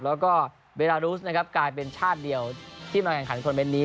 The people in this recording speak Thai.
แล้วก็เบรดาดูสกลายเป็นชาติเดียวที่มาแข่งขันควรเป็นนี้